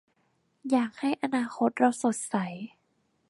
อยากให้อนาคตเราสดใส